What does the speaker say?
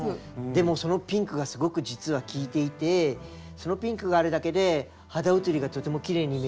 でもそのピンクがすごく実は効いていてそのピンクがあるだけで肌映りがとてもきれいに見える